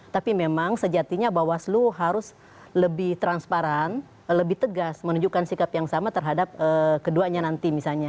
tapi memang sejatinya bawaslu harus lebih transparan lebih tegas menunjukkan sikap yang sama terhadap keduanya nanti misalnya